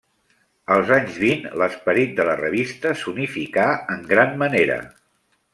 Als anys vint, l'esperit de la revista s'unificà en gran manera.